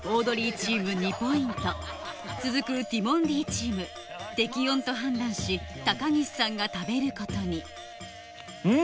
チーム２ポイント続くティモンディチーム適温と判断し高岸さんが食べることにうん。